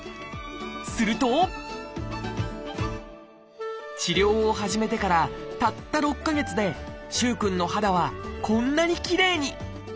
すると治療を始めてからたった６か月で萩くんの肌はこんなにきれいに。